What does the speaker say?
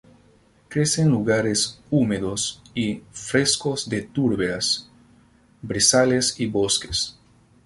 Crece en lugares húmedos y frescos de turberas, brezales y bosques.